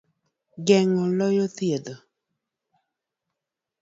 Geng'o loyo thietho.